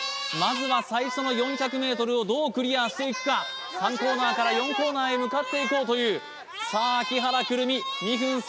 まずは最初の４００ｍをどうクリアしていくか３コーナーから４コーナーへ向かっていこうというさあ木原來南